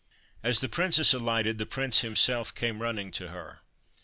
As the Princess alighted, the Prince himself came running to her.